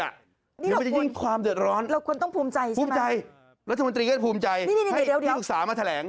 เดี๋ยวมันจะยิ่งความเดือดร้อนภูมิใจรัฐมนตรีก็ต้องภูมิใจให้พี่ศึกษามาแถลง